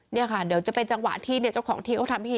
นี่ค่ะเดี๋ยวจะเป็นจังหวะที่เจ้าของที่เขาทำพิธี